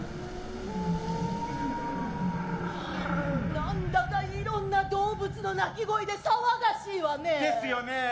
何だかいろんな動物の鳴き声で騒がしいわね。ですよね。